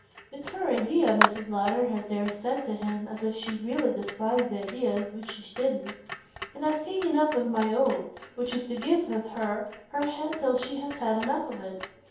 "It's her idea," Mrs. Lowder had there said to him as if she really despised ideas which she didn't; "and I've taken up with my own, which is to give her her head till she has had enough of it.